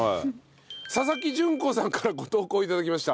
佐々木純子さんからご投稿頂きました。